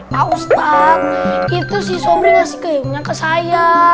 pak ustaz itu si sobri ngasih gayungnya ke saya